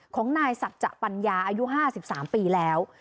ของนายสัจจะปัญญาอายุ๕๓ปีแล้ว